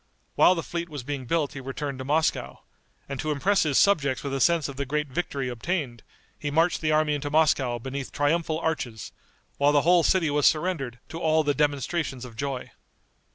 While the fleet was being built he returned to Moscow, and to impress his subjects with a sense of the great victory obtained, he marched the army into Moscow beneath triumphal arches, while the whole city was surrendered to all the demonstrations of joy.